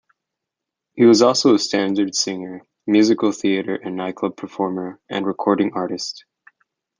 He was also a standards singer, musical theatre and nightclub performer, and recording artist.